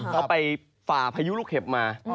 เขาไปฝ่าพายุลูกเห็บมา